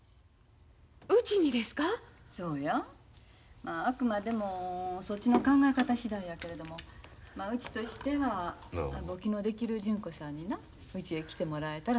まああくまでもそっちの考え方次第やけれどもまあうちとしては簿記のできる純子さんになうちへ来てもらえたらと思ってますのや。